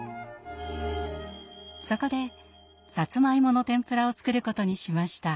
そこでさつまいもの天ぷらを作ることにしました。